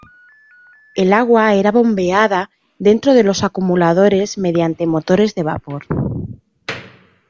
El agua era bombeada dentro de los acumuladores mediante motores de vapor.